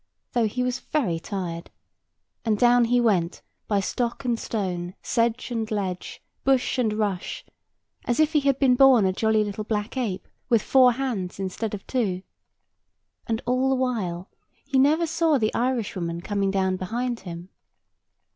though he was very tired; and down he went, by stock and stone, sedge and ledge, bush and rush, as if he had been born a jolly little black ape, with four hands instead of two. And all the while he never saw the Irishwoman coming down behind him.